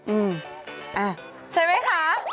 อืมใช่ไหมคะ